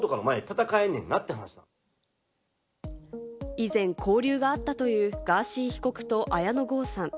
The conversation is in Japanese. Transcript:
以前交流があったというガーシー被告と綾野剛さん。